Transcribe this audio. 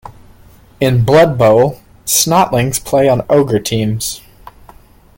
In Blood Bowl, Snotlings play on Ogre teams.